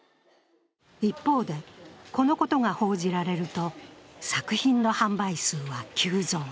一方で、このことが報じられると作品の販売数は急増。